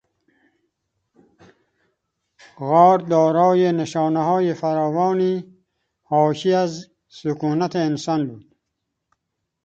غار دارای نشانههای فراوانی حاکی از سکونت انسان بود.